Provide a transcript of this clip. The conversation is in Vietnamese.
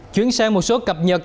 chuyển sang một số cập nhật